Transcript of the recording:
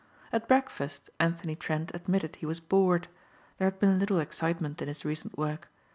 At breakfast Anthony Trent admitted he was bored. There had been little excitement in his recent work.